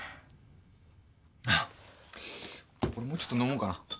俺もうちょっと飲もうかな。